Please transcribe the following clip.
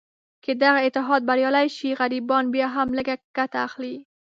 که دغه اتحاد بریالی شي، غریبان بیا هم لږه ګټه اخلي.